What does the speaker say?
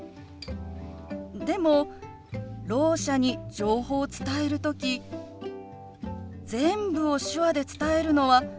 でもろう者に情報を伝える時全部を手話で伝えるのは難しいと思うの。